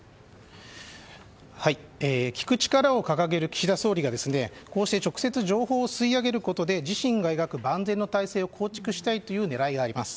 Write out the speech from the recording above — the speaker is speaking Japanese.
聞く力を掲げる岸田総理がこうして直接情報を吸い上げることで自身が描く万全の体制を構築したいという狙いがあります。